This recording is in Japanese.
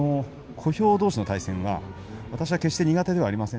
小兵どうしの対戦は私は決して苦手ではありません。